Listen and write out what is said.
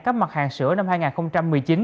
cấp mặt hàng sữa năm hai nghìn một mươi chín